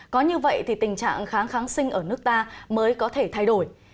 có như vậy thì tình trạng kháng kháng sinh ở nước ta mới có thể thay đổi